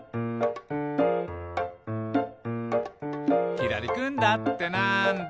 「きらりくんだってなんだ？」